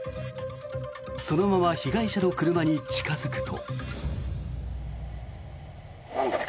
そのまま被害者の車に近付くと。